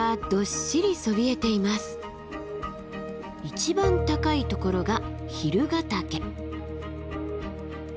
一番高いところが蛭ヶ岳。